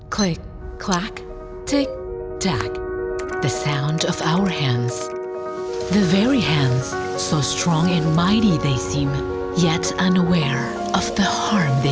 tengah tangan kami tangan yang sangat kuat dan kuat yang mereka lihat tetapi tidak tahu bahwa mereka bisa menimbulkan kesalahan